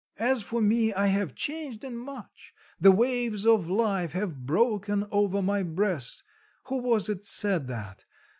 "As for me, I have changed in much; the waves of life have broken over my breast who was it said that?